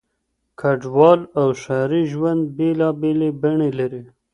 کډوال او ښاري ژوند بېلابېلې بڼې لري.